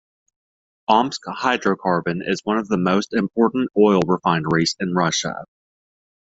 Omsk Hydrocarbon is one of the most important oil refineries in Russia.